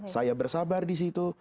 saya bersabar di situ